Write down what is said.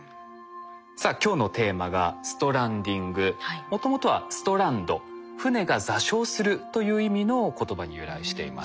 さあ今日のテーマがもともとはストランド「船が座礁する」という意味の言葉に由来しています。